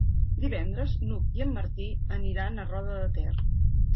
Divendres n'Hug i en Martí aniran a Roda de Ter.